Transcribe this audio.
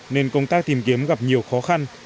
nên công tác tìm kiếm gặp nhiều khó khăn